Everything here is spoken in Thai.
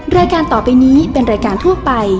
รายการต่อไปนี้เป็นรายการทั่วไป